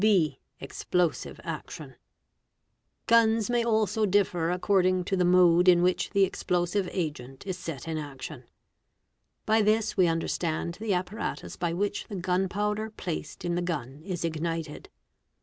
8. Explosive Action. Bi) Guns may also differ according to the mode in which the explosive yy agent is set in action. By this we understand the apparatus by which the gun powder placed in the gun is ignited.